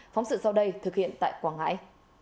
phóng sự sau đây thực hiện tại quảng ngãi